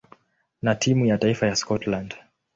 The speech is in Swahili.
na timu ya taifa ya Scotland.